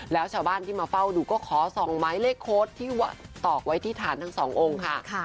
แล้วชาวบ้านที่มาเฝ้าดูก็ขอส่องไม้เลขโค้ดที่ตอกไว้ที่ฐานทั้งสององค์ค่ะ